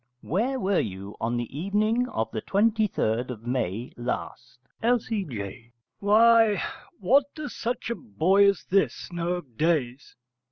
Where were you on the evening of the 23rd of May last? L.C.J. Why, what does such a boy as this know of days.